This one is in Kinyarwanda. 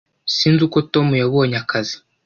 sinzi uko tom yabonye akazi